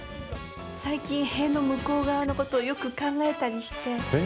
最近塀の向こう側のことをよく考えたりして。